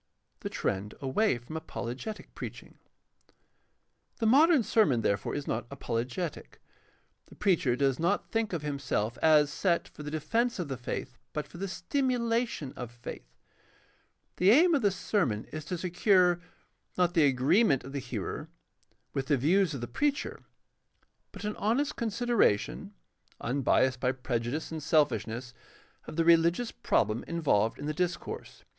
The trend away from apologetic preaching. — The modern sermon, therefore, is not apologetic. The preacher does not think of himself as set for the defense of the faith but for the stimulation of faith. The aim of the sermon is to secure, not the agreement of the hearer with the views of the preacher, but an honest consideration, unbiased by prejudice and selfish ness, of the religious problem involved in the discourse.